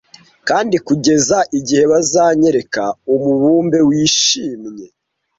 Kandi, kugeza igihe bazanyereka umubumbe wishimye,